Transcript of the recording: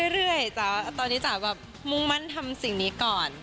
เรื่อยจ๋าตอนนี้จ๋าแบบมุ่งมั่นทำสิ่งนี้ก่อน